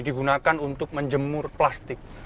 digunakan untuk menjemur plastik